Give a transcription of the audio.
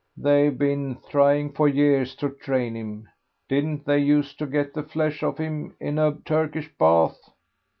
They've been trying for years to train him. Didn't they used to get the flesh off him in a Turkish bath?